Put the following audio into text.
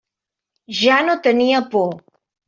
Ja no tenia por.